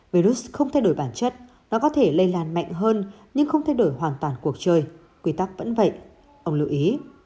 virus không thay đổi bản chất nó có thể lây lan mạnh hơn nhưng không thay đổi hoàn toàn cuộc chơi quy tắc vẫn vậy ông lưu ý